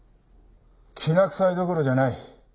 きな臭いどころじゃない。